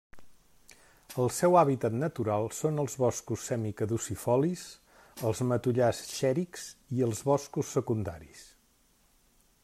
El seu hàbitat natural són els boscos semicaducifolis, els matollars xèrics els i boscos secundaris.